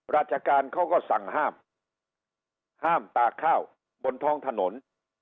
ราชการเขาก็สั่งห้ามห้ามตากข้าวบนท้องถนน